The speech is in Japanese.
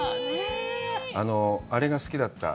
あれが好きだった。